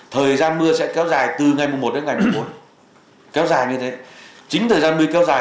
thời gian mưa sẽ kéo dài từ ngày mùng một đến ngày mùng bốn kéo dài như thế chính thời gian mưa kéo dài